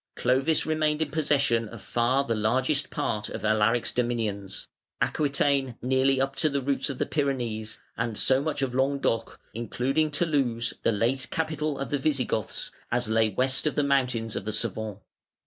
Clovis remained in possession of far the largest part of Alaric's dominions, Aquitaine nearly up to the roots of the Pyrenees, and so much of Languedoc (including Toulouse, the late capital of the Visigoths) as lay west of the mountains of the Cevennes.